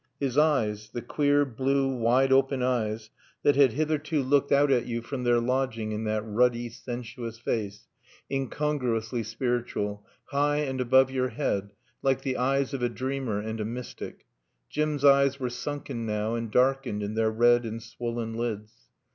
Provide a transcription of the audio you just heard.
His eyes the queer, blue, wide open eyes that had hitherto looked out at you from their lodging in that ruddy, sensuous face, incongruously spiritual, high and above your head, like the eyes of a dreamer and a mystic Jim's eyes were sunken now and darkened in their red and swollen lids.